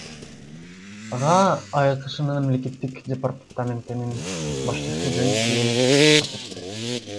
Ага АКШнын Мамлекеттик департаментинин башчысы Жон Керри катышты.